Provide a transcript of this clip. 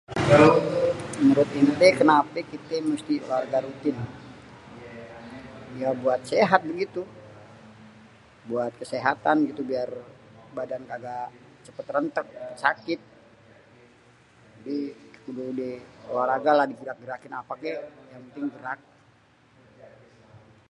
"""menurut èntè kenapè kitè musti olahraga rutin?"".. yaa buat sehat begitu.. buat kesehatan gitu biar badan kagak cepet rèntèg sakit.. jadi kudu olahraga lah digerak-gerakin apè kek yang penting gerak.."